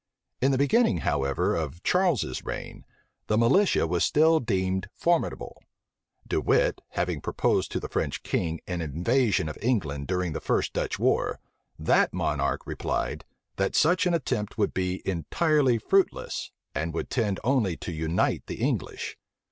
In the beginning, however, of Charles's reign, the militia was still deemed formidable. De Wit having proposed to the French king an invasion of England during the first Dutch war, that monarch replied, that such an attempt would be entirely fruitless, and would tend only to unite the English.